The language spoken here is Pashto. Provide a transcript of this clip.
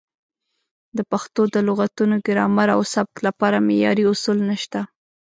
د پښتو د لغتونو، ګرامر او سبک لپاره معیاري اصول نشته.